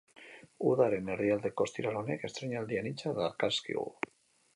Udaren erdialdeko ostiral honek estreinaldi anitzak dakarzkigu.